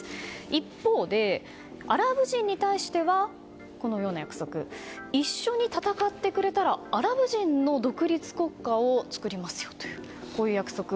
一方、アラブ人に対しては一緒に戦ってくれたらアラブ人の独立国家を作りますよというこういう約束。